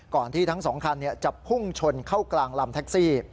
ที่ทั้งสองคันจะพุ่งชนเข้ากลางลำแท็กซี่